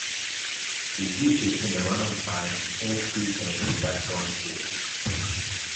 He featured in the run-on side in all three games of that drawn series.